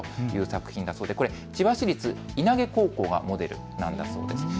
という作品で千葉市立稲毛高校がモデルなんだそうです。